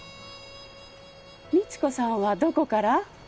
道子さんはどこから？